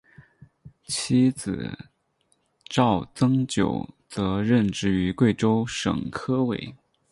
妻子赵曾玖则任职于贵州省科委。